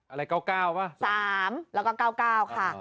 อะไร๙๙ป่ะ๓แล้วก็๙๙ค่ะ